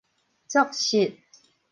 作息